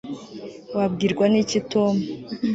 wabwirwa n'iki tom